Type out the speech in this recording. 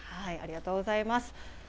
ありがとうございます。